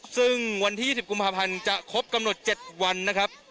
ซึ่งวันที่๒๐กุมภาพันธ์จะครบกำหนด๗วันนะครับ